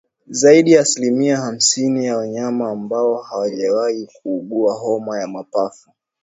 Zaidi ya asilimia hamsini ya wanyama ambao hawajawahi kuugua homa ya mapafu